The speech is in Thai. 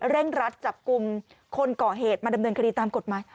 เร่งรัดจับกลุ่มคนก่อเหตุมาดำเนินคดีตามกฎหมาย